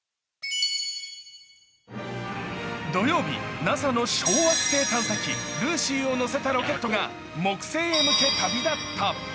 土曜日、ＮＡＳＡの小惑星探査機ルーシーを載せたロケットが木星へ向け飛び立った。